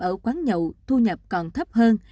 ở quán nhậu thu nhập còn thấp hơn